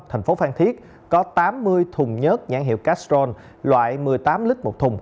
thành phố phan thiết có tám mươi thùng nhớt nhãn hiệu castrol loại một mươi tám lít một thùng